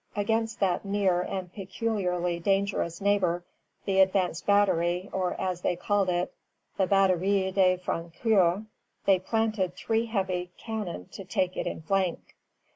Against that near and peculiarly dangerous neighbor, the advanced battery, or, as they called it, the Batterie de Francur, they planted three heavy cannon to take it in flank.